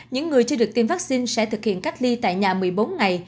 những người chưa được tiêm vaccine sẽ thực hiện cách ly tại nhà một mươi bốn ngày